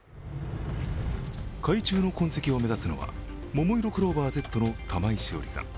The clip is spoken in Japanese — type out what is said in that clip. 海中の痕跡を目指すのはももいろクローバーＺの玉井詩織さん。